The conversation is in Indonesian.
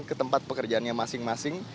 ke tempat pekerjaannya masing masing